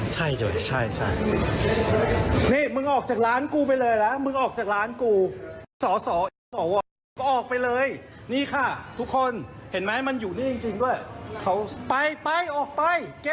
คุณศักดิ์ล่าสัมภัยออกมาถูกไปจากที่นี่